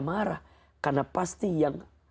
marah karena pasti yang